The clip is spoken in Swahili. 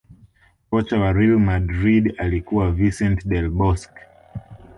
Kocha wa real madrid alikuwa Vincent Del Bosque